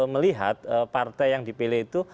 melihat partai yang dipilih itu